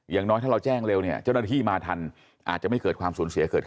อย่างน้อยถ้าเราแจ้งเร็วเนี่ยเจ้าหน้าที่มาทันอาจจะไม่เกิดความสูญเสียเกิดขึ้น